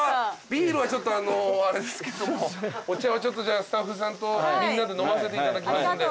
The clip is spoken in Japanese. ビールはちょっとあれですけどもお茶はちょっとじゃあスタッフさんとみんなで飲ませていただきますんで。